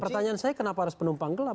pertanyaan saya kenapa harus penumpang gelap